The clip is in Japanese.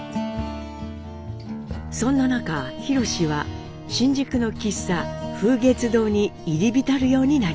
そんな中宏は新宿の喫茶「風月堂」に入り浸るようになります。